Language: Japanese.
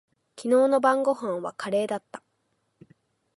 昨日の晩御飯はカレーだった。